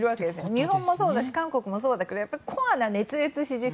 日本もそうだし韓国もそうだけどコアな熱烈支持層。